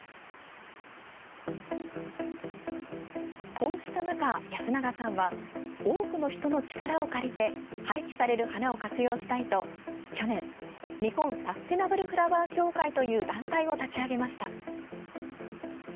こうした中、安永さんは多くの人の力を借りて廃棄される花を活用したいと去年日本サステナブルフラワー協会という団体を立ち上げました。